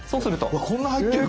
うわこんな入ってる！